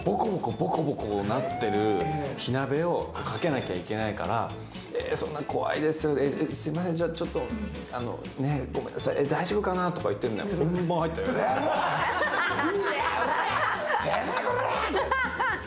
ボコボコなってる火鍋をかけなきゃいけないからえー、そんな怖いですすいません、じゃ、ちょっと、ごめんなさい、大丈夫かなとか言ってるんだけど、本番入ったらおりゃ、こらって。